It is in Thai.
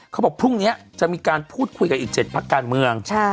เขาบอกพรุ่งนี้จะมีการพูดคุยกับอีก๗พักการเมือง